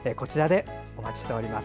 お待ちしております。